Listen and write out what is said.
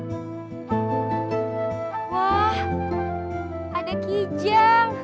kamu minta apa dari dia